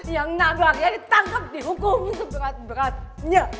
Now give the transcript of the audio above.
yang nangis ya ditangkep di hukum seberat beratnya